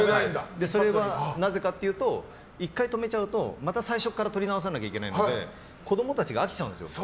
それはなぜかというと１回止めちゃうとまた最初から撮り直さなきゃいけないので子供たちが飽きちゃうんですよ。